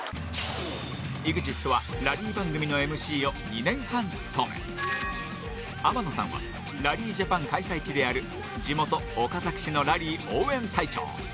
ＥＸＩＴはラリー番組のＭＣを２年半務め天野さんはラリージャパン開催地である地元・岡崎市のラリー応援隊長。